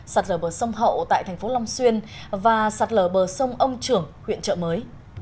sạt lở bờ sông hậu tại thành phố long xuyên và sạt lở bờ sông ông trưởng huyện trợ mới